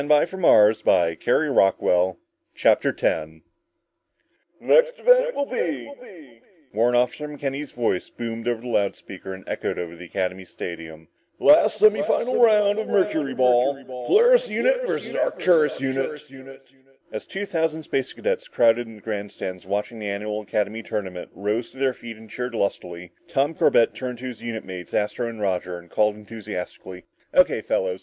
We're spacemen!" CHAPTER 10 "The next event will be," Warrant Officer McKenny's voice boomed over the loud speaker and echoed over the Academy stadium, "the last semifinal round of mercuryball. Polaris unit versus Arcturus unit." As two thousand space cadets, crowded in the grandstands watching the annual academy tournament, rose to their feet and cheered lustily, Tom Corbett turned to his unit mates Astro and Roger and called enthusiastically, "O.K., fellas.